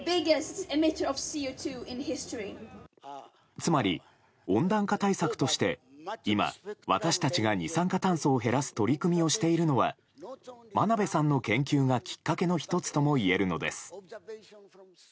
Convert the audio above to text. つまり、温暖化対策として今私たちが二酸化炭素を減らす取り組みをしているのは真鍋さんの研究がきっかけの１つともいえるのです。